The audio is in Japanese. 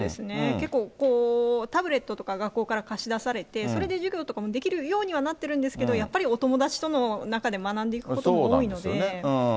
結構、タブレットとか、学校から貸し出されて、それで授業とかもできるようにはなってるんですけれども、やっぱりお友達との中で学んでいくことも多いので。